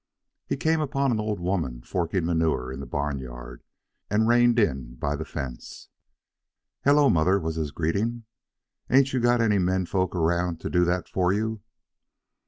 He came upon an old woman forking manure in the barnyard, and reined in by the fence. "Hello, mother," was his greeting; "ain't you got any men folk around to do that for you?"